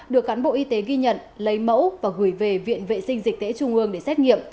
được cán bộ y tế ghi nhận lấy mẫu và gửi về viện vệ sinh dịch tễ trung ương để xét nghiệm